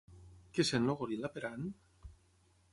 Què sent el goril·la per Ann?